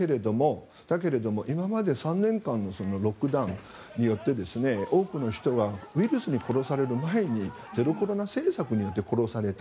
だけれども、今まで３年間のロックダウンによって多くの人がウイルスに殺される前にゼロコロナ政策によって殺された。